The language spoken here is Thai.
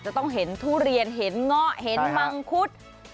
จะต้องเห็นทุเรียนเห็นเงาะเห็นมังคุด